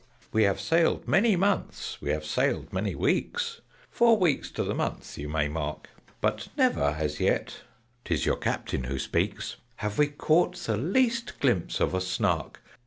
"We have sailed many months, we have sailed many weeks, (Four weeks to the month you may mark), But never as yet ('tis your Captain who speaks) Have we caught the least glimpse of a Snark!